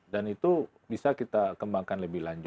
dan itu bisa kita kembangkan lebih lanjut